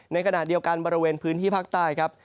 ในขณะเดียวกันบริเวณพื้นที่ภาคใต้ครับ